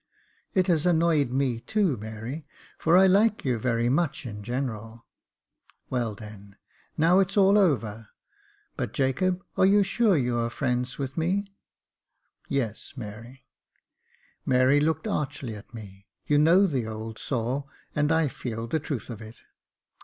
"It has annoyed me too, Mary, for I like you very much in general." " Well, then, now it's all over ; but, Jacob, are you sure you are friends with me ?" Jacob Faithful 249 " Yes, Mary." Mary looked archly at me. " You know the old saw, and I feel the truth of it."